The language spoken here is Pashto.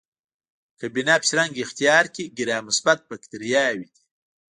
که بنفش رنګ اختیار کړي ګرام مثبت باکتریاوې دي.